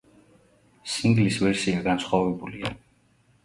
სინგლის ვერსია განსხვავებულია.